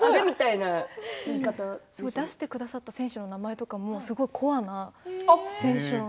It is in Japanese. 出してくださった選手の名前とかも、すごいコアな選手で。